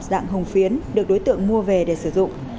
dạng hồng phiến được đối tượng mua về để sử dụng